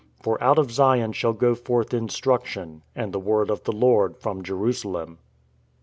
For out of Zion shall go forth instruction, And the word of the Lord from Jerusalem."